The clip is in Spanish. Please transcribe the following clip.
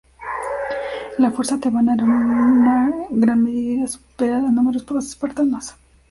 La fuerza tebana era en gran medida superada en número por los espartanos.